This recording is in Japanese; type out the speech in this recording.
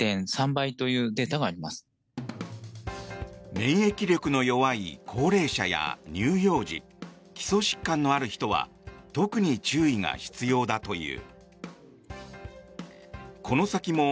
免疫力の弱い高齢者や乳幼児基礎疾患のある人は特に注意が必要だという。